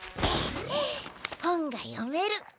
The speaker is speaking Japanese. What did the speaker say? えいっ本が読める。